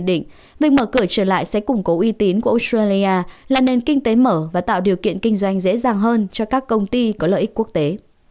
định việc mở cửa trở lại sẽ củng cố uy tín của australia là nền kinh tế mở và tạo điều kiện kinh doanh dễ dàng hơn cho các công ty có lợi ích quốc tế